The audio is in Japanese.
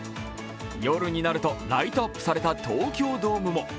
夜になると、ライトアップされた東京ドームも。